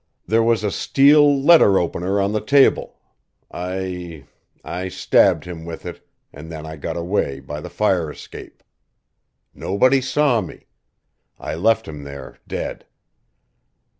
"There was a steel letter opener on the table. I I stabbed him with it, and then I got away by the fire escape. Nobody saw me. I left him there dead.